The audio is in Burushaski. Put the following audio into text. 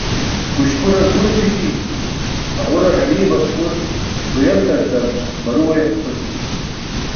Guśpurar gure phiṭi, haġurar hariye baspur, huyeltarcar barue gen/tʰoti